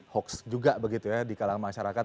hoax juga begitu ya di kalangan masyarakat